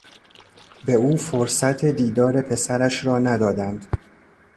به او فرصت دیدار پسرش را ندادند.